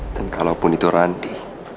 dan kalaupun itu randi